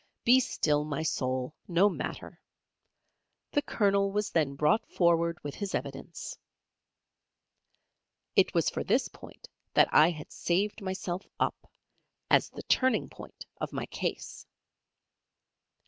Be still my soul, no matter. The Colonel was then brought forward with his evidence. It was for this point that I had saved myself up, as the turning point of my case.